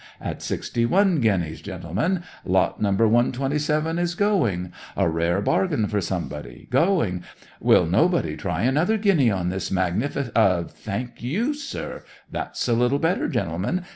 At sixty one guineas, gentlemen; lot number 127 is going a rare bargain for somebody going! Will nobody try another guinea on this magnifi Thank you, sir! That's a little better, gentlemen.